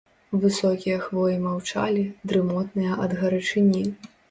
Высокія хвоі маўчалі, дрымотныя ад гарачыні.